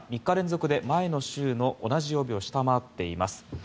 ３日連続で前の週の同じ曜日を下回っています。